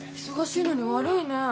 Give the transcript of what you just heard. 忙しいのに悪いね。